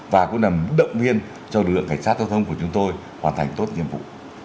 và cũng là động viên cho lực lượng cảnh sát giao thông của chúng tôi hoàn thành tốt nhiệm vụ